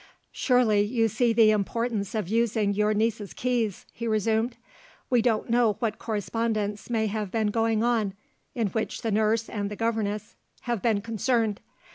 "Surely, you see the importance of using your niece's keys?" he resumed. "We don't know what correspondence may have been going on, in which the nurse and the governess have been concerned.